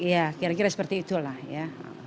ya kira kira seperti itulah ya